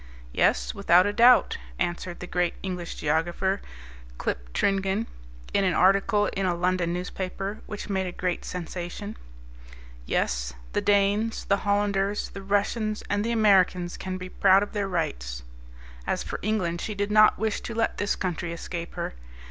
"Yes, without a doubt," answered the great English geographer, Kliptringan, in an article in a London newspaper, which made a great sensation; "yes, the Danes, the Hollanders, the Russians, and the Americans, can be proud of their rights." As for England, she did not wish to let this country escape her.